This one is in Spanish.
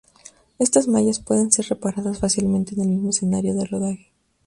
Estas mallas pueden ser reparadas fácilmente en el mismo escenario de rodaje.